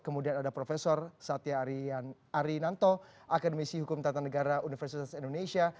kemudian ada prof satya arinanto akademisi hukum tata negara universitas indonesia